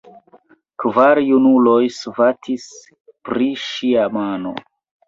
Kvar junuloj svatis pri ŝia mano.